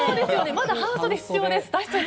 まだ半袖必要です。